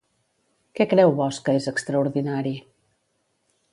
Què creu Bosch que és extraordinari?